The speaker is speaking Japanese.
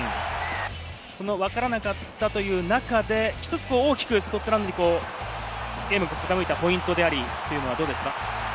そのわからなかったという中で、１つ大きくスコットランドにゲームが傾いたポイントでありというのは、どうですか？